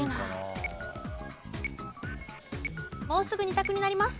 もうすぐ２択になります。